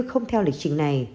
không theo lịch trình